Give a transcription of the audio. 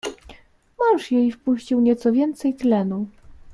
"Mąż jej wpuścił nieco więcej tlenu."